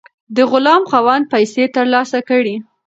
د غلام خاوند پیسې ترلاسه کړې.